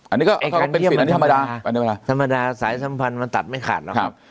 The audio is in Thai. อันนี้ก็เป็นสิทธิ์อันนี้ธรรมดาธรรมดาสายสัมพันธ์มันตัดไม่ขาดหรอกครับ